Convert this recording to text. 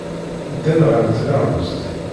Ddan ɣer tneɣlust.